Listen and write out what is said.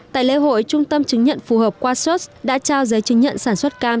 tại lễ hội trung tâm chứng nhận phù hợp quassos đã trao giấy chứng nhận sản xuất cam